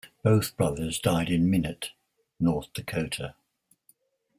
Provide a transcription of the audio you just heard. Both brothers died in Minot, North Dakota.